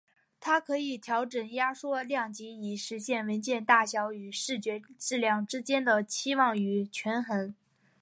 它可以调整压缩量级以实现文件大小与视觉质量之间的期望与权衡。